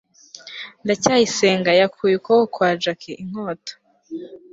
ndacyayisenga yakuye ukuboko kwa jaki inkota